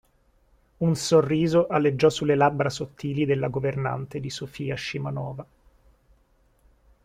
Un sorriso aleggiò sulle labbra sottili della governante di Sofia Scimanova.